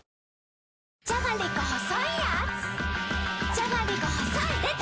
じゃがりこ細いでた‼